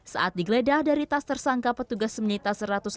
saat digeledah dari tas tersangka petugas menyita satu ratus lima puluh